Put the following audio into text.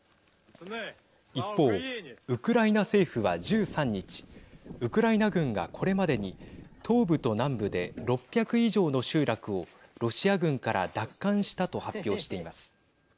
一方、ウクライナ政府は１３日ウクライナ軍が、これまでに東部と南部で６００以上の集落をロシア軍から奪還したと発表しています。